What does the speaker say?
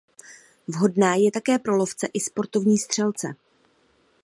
Vhodná je také pro lovce i sportovní střelce.